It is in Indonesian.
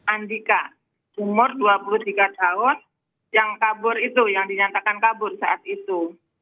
andika umur dua puluh tiga tahun yang kabur itu yang dinyatakan kabur saat itu